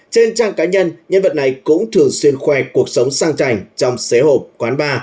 trên trang cá nhân nhân vật này cũng thường xuyên khoe cuộc sống sang trành trong xế hộp quán bar